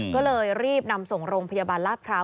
ก็เลยรีบนำส่งโรงพยาบาลลาดพร้าว